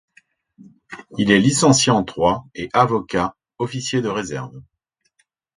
Il est licencié en droit et avocat; officier de réserve.